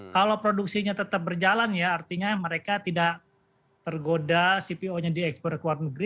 kalau produksinya tetap berjalan ya artinya mereka tidak tergoda cpo nya diekspor ke luar negeri